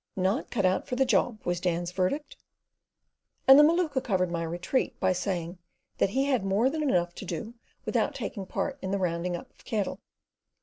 "Not cut out for the job," was Dan's verdict, and the Maluka covered my retreat by saying that he had more than enough to do without taking part in the rounding up of cattle.